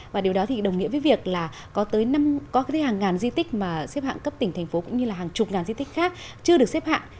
và điều đó thì đồng nghĩa với việc là có tới hàng ngàn di tích mà xếp hạng cấp tỉnh thành phố cũng như là hàng chục ngàn di tích khác chưa được xếp hạng